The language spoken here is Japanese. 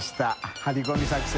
張り込み作戦。